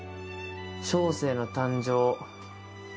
小生の誕生。